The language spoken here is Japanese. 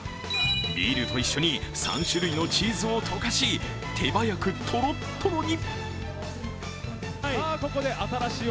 ビールと一緒に３種類のチーズを溶かし、手早くトロットロに。